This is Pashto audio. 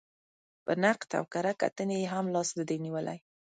په نقد او کره کتنې یې هم لاس نه دی نېولی.